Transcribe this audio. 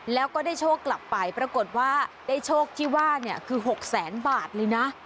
แล้วก็ได้โชคกลับไปปรากฏว่าได้โชคที่ว่าเนี่ยคือ๖แสนบาทเลยนะ